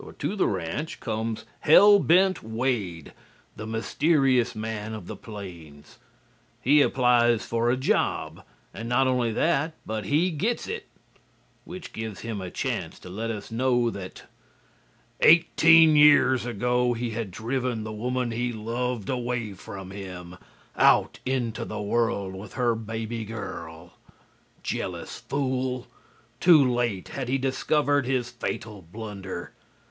To the ranch comes "Hell Bent" Wade, the mysterious man of the plains. He applies for a job, and not only that, but he gets it, which gives him a chance to let us know that: "EIGHTEEN YEARS AGO HE HAD DRIVEN THE WOMAN HE LOVED AWAY FROM HIM, OUT INTO THE WORLD WITH HER BABY GIRL ... JEALOUS FOOL!... TOO LATE HAD HE DISCOVERED HIS FATAL BLUNDER....